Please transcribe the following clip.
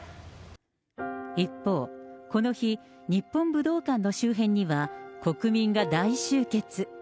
一方、この日、日本武道館の周辺には、国民が大集結。